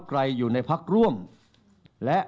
ขอบคุณครับ